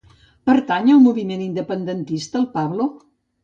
Pertany al moviment independentista el Pablo?